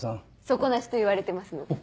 底なしといわれてますので。